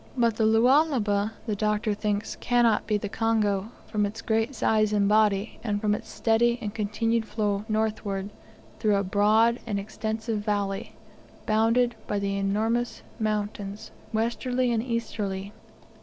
But the Lualaba, the Doctor thinks, cannot be the Congo, from its great size and body, and from its steady and continued flow northward through a broad and extensive valley, bounded by enormous mountains westerly and easterly.